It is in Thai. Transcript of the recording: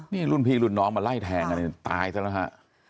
นี่รุ่นพี่รุ่นน้องมาไล่แทงกันตายซะแล้วฮะ